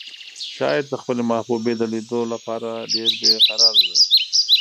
شاعر د خپلې محبوبې د لیدو لپاره ډېر بې قراره دی.